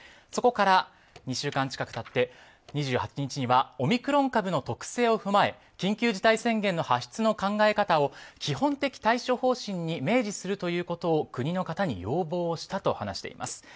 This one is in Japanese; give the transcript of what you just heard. そこから２週間近く経って２８日にはオミクロン株の特性を踏まえ緊急事態宣言の発出の考え方を基本的対処方針に明示するということを国の方に要望したと話しています。